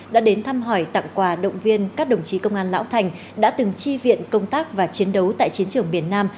đã đến thăm hỏi tặng quà động viên các đồng chí công an lão thành đã từng chi viện công tác và chiến đấu tại chiến trường miền nam